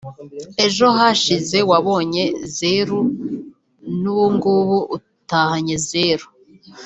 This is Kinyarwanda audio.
ejo hashize wabonye zeru n’ubungubu utahanye zeru